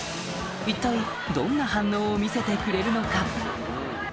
一体どんな反応を見せてくれるのか？